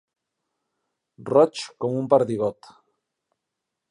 Roig com un perdigot.